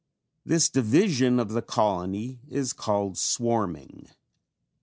This division of the colony is called swarming.